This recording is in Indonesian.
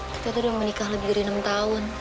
kita tuh udah menikah lebih dari enam tahun